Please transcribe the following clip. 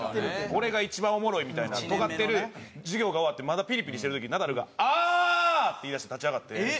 俺が一番おもろいみたいなトガってる授業が終わってまだピリピリしてる時ナダルが「ああー！」って言いだして立ち上がって。